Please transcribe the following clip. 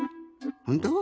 ほんと？